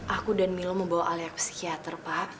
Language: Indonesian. aku dan milo membawa alia psikiater pak